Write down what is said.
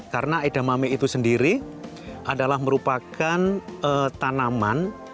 karena edamame itu sendiri adalah merupakan tanaman